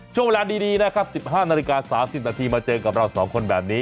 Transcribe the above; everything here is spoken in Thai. ช่วงเวลาดีนะครับ๑๕นาฬิกา๓๐นาทีมาเจอกับเราสองคนแบบนี้